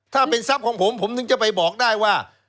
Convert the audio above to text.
ถ้าเป็นทรัพย์ของผมผมถึงจะไปบอกได้ว่า